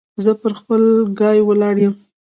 زه پر خپل ګای ولاړ يم.